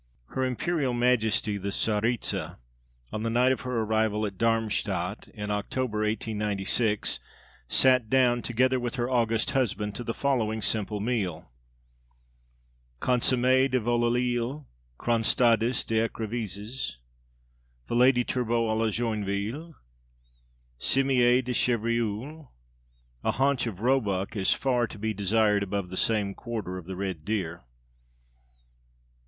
Her Imperial Majesty the Tsaritza, on the night of her arrival at Darmstadt, in October 1896, sat down, together with her august husband, to the following simple meal: Consommé de Volaille Cronstades d'écrevisses Filet de Turbot à la Joinville Cimier de Chevreuil [A haunch of Roebuck is far to be desired above the same quarter of the red deer].